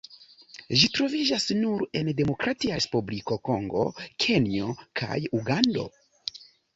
Ĝi troviĝas nur en Demokratia Respubliko Kongo, Kenjo kaj Ugando.